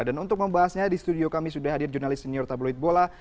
dan untuk membahasnya di studio kami sudah hadir jurnalis senior tabloid bola